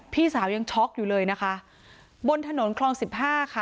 พี่สาวยังช็อกอยู่เลยนะคะบนถนนคลองสิบห้าค่ะ